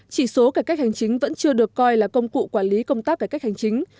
chỉ số cải cách hành chính vẫn chưa được coi là công cụ quản lý công tác cải cách hành chính